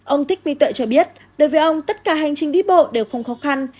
ông thích minh tuệ cho biết đối với ông tất cả hành trình đi bộ đều không khó khăn